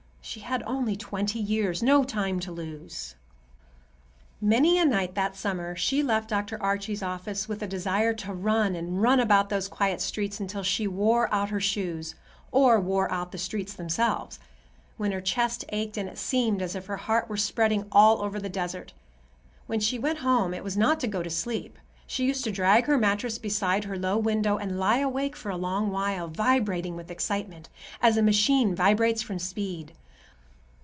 She had only twenty years—no time to lose. Many a night that summer she left Dr. Archie's office with a desire to run and run about those quiet streets until she wore out her shoes, or wore out the streets themselves; when her chest ached and it seemed as if her heart were spreading all over the desert. When she went home, it was not to go to sleep. She used to drag her mattress beside her low window and lie awake for a long while, vibrating with excitement, as a machine vibrates from speed.